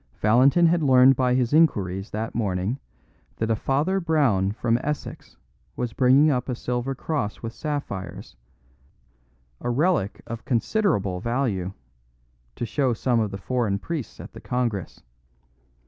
Valentin had learned by his inquiries that morning that a Father Brown from Essex was bringing up a silver cross with sapphires, a relic of considerable value, to show some of the foreign priests at the congress.